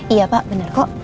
iya pa bener kok